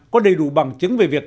có đầy đủ bằng chứng về việc